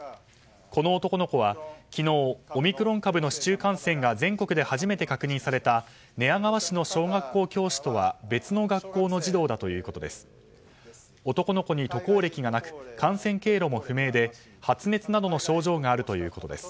この男の子は昨日オミクロン株の市中感染が全国で初めて確認された寝屋川市の小学校教師とは別の学校の児童だということです。